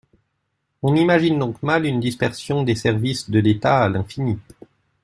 On imagine donc mal une dispersion des services de l’État à l’infini.